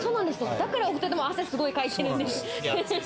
だから２人とも汗すごいかいてるんですね。